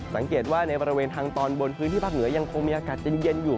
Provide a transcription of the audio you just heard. สังเกตว่าในบริเวณทางตอนบนพื้นที่ภาคเหนือยังคงมีอากาศเย็นอยู่